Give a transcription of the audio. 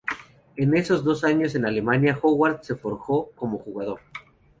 En esos dos años en Alemania, Howard se forjó como jugador.